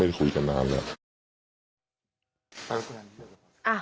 ไม่ได้คุยกันนานละ